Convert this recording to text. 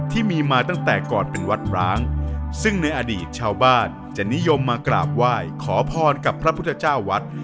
ที่มีมาตั้งแต่ก่อนเป็นวัดร้างซึ่งในอดีตชาวบ้านจะนิยมมากราบไหว้ขอพรกับพระพุทธเจ้าวัด